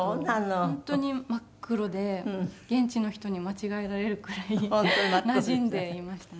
本当に真っ黒で現地の人に間違えられるくらいなじんでいましたね。